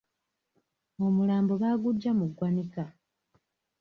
Omulambo baaguggya mu ggwanika.